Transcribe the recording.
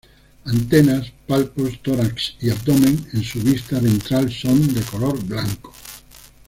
Antenas, palpos, tórax y abdomen en su vista ventral son de color blanco.